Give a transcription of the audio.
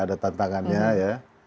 ada tantangannya ya